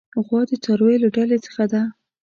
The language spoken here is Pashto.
غوا د څارویو له ډلې څخه ده.